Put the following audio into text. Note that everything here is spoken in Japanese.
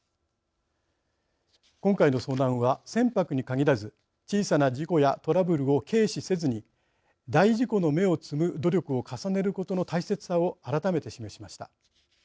今回の遭難は、船舶に限らず小さな事故やトラブルを軽視せずに大事故の芽を摘む努力を重ねることの大切さを改めて示しました。